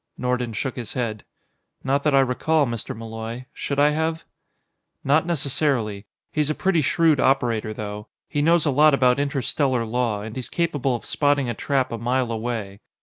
Nordon shook his head. "Not that I recall, Mr. Malloy. Should I have?" "Not necessarily. He's a pretty shrewd operator, though. He knows a lot about interstellar law, and he's capable of spotting a trap a mile away.